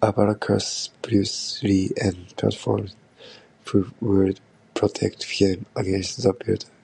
A. Baracus, Bruce Lee, and Transformers, who would protect him against the bullies.